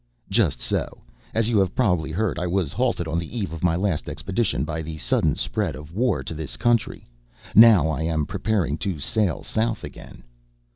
"Just so. As you have probably heard, I was halted on the eve of my last expedition by the sudden spread of war to this country. Now I am preparing to sail south again."